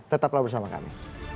tetaplah bersama kami